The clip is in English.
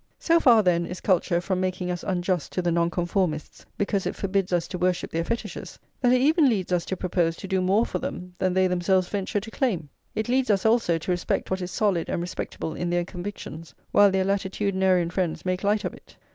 So far, then, is culture from making us unjust to the Nonconformists because it forbids us to worship their fetishes, that it even leads us to propose to do more for them than they themselves venture to claim. It leads us, also, to respect what is solid and respectable in their convictions, while their latitudinarian friends make light of it.